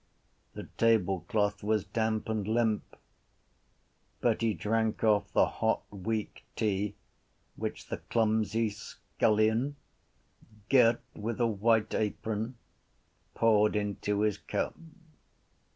The tablecloth was damp and limp. But he drank off the hot weak tea which the clumsy scullion, girt with a white apron, poured into his cup.